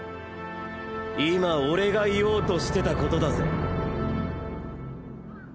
今俺が言おうとしてたことだぜ！